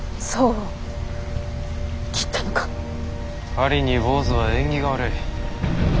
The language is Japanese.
狩りに坊主は縁起が悪い。